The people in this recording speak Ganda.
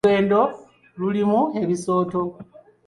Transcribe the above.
Oluguudo lulimu ebisooto.